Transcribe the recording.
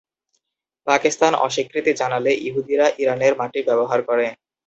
পাকিস্তান অস্বীকৃতি জানালে ইহুদীরা ইরানের মাটি ব্যবহার করে।